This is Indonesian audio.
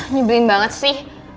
nyebelin banget sih